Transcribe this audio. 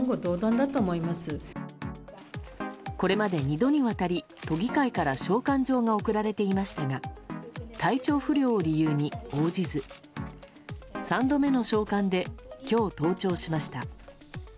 これまで２度にわたり都議会から召喚状が送られていましたが体調不良を理由に応じず３度目の召喚で今日、登庁しました。